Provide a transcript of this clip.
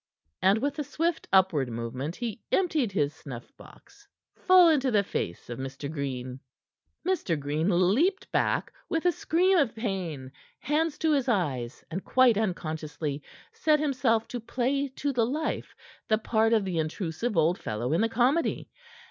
And with a swift upward movement, he emptied his snuff box full into the face of Mr. Green. Mr. Green leapt back, with a scream of pain, hands to his eyes, and quite unconsciously set himself to play to the life the part of the intrusive old fellow in the comedy.